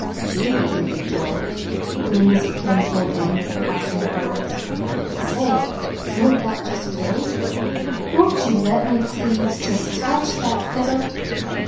"Gee!" breathed Joe, when the music came to an end with a crashing chord. "Say, wa'n't that just great? Won't you let me, please, just touch that fiddle?"